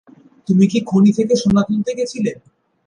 তুমি কি খনি থেকে সোনা তুলতে গেছিলে?